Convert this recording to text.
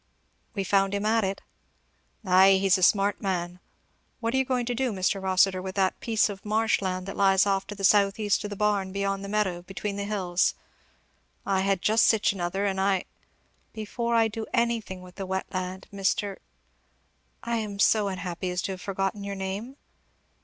"We found him at it." "Ay, he's a smart man. What are you going to do, Mr. Rossitur, with that piece of marsh land that lies off to the south east of the barn, beyond the meadow, between the hills? I had just sich another, and I" "Before I do anything with the wet land, Mr. I am so unhappy as to have forgotten your name?